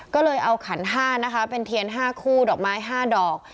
ก็เลยเอาขัน๕นะคะเป็นเทียน๕คู่ดอกไม้๕ดอก